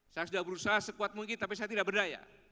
saya sudah berusaha sekuat mungkin tapi saya tidak berdaya